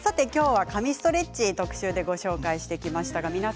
今日は神ストレッチ特集でご紹介してきました。